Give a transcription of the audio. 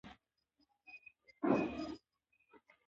د ولس ګډون بنسټیز حق دی